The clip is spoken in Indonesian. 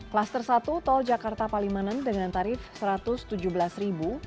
klaster satu tol jakarta palimanan dengan tarif rp satu ratus tujuh belas